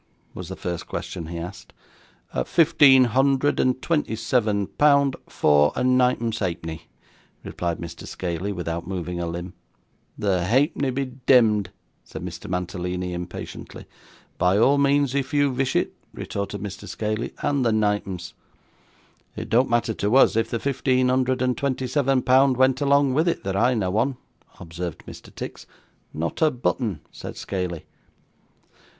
was the first question he asked. 'Fifteen hundred and twenty seven pound, four and ninepence ha'penny,' replied Mr. Scaley, without moving a limb. 'The halfpenny be demd,' said Mr. Mantalini, impatiently. 'By all means if you vish it,' retorted Mr. Scaley; 'and the ninepence.' 'It don't matter to us if the fifteen hundred and twenty seven pound went along with it, that I know on,' observed Mr. Tix. 'Not a button,' said Scaley.